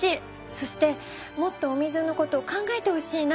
そしてもっとお水のこと考えてほしいな。